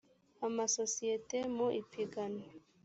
amasosiyete mu ipiganwa